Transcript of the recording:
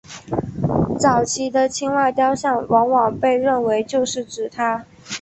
早期的青蛙雕像往往被认为就是指她。